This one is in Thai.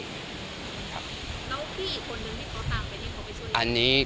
แล้วพี่อีกคนนึงที่เขาตากไปมันคงไม่ช่วย